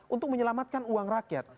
untuk menyelamatkan uang rakyat